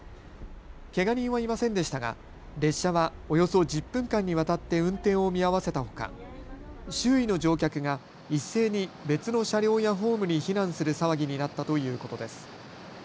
けが人はいませんでしたが列車はおよそ１０分間にわたって運転を見合わせたほか周囲の乗客が一斉に別の車両やホームに避難する騒ぎになったということです。